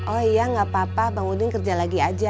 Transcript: oh iya gapapa bang udin kerja lagi aja